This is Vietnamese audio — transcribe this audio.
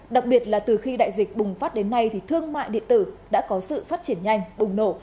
đặc biệt là từ khi đại dịch bùng phát đến nay thì thương mại điện tử đã có sự phát triển nhanh bùng nổ